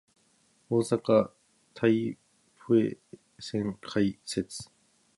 大阪・台北線開設